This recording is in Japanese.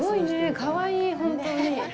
かわいい、本当に。